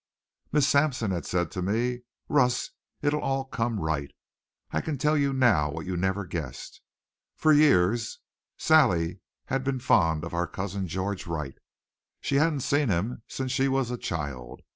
Miss Sampson had said to me: "Russ, it'll all come right. I can tell you now what you never guessed. For years Sally had been fond of our cousin, George Wright. She hadn't seen him since she was a child.